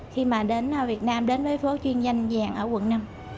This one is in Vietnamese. khi mà đến việt nam đến với phố chuyên danh vàng ở quận năm